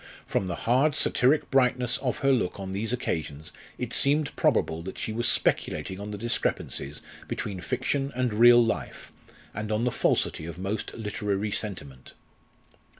From the hard, satiric brightness of her look on these occasions it seemed probable that she was speculating on the discrepancies between fiction and real life, and on the falsity of most literary sentiment.